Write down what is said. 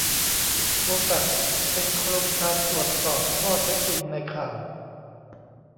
โคแฟค เป็นโครงการตรวจสอบข้อเท็จจริงในข่าว